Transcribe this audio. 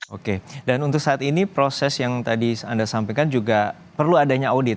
oke dan untuk saat ini proses yang tadi anda sampaikan juga perlu adanya audit